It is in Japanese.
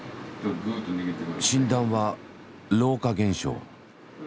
診断は老化現象。